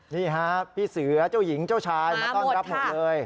นี่ฮะพี่เสือเจ้าหญิงเจ้าชายมาต้อนรับหมดเลย